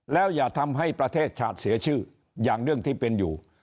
แล้วอย่าทำให้ประเทศชาติเสียชื่ออย่างเรื่องที่เป็นอยู่